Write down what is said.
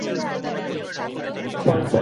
রাভির মৃত্যুটা স্বাভাবিক নয়।